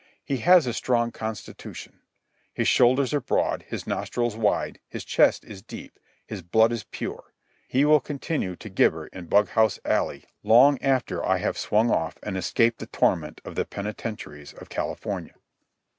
He has a strong constitution. His shoulders are broad, his nostrils wide, his chest is deep, his blood is pure; he will continue to gibber in Bughouse Alley long after I have swung off and escaped the torment of the penitentiaries of California.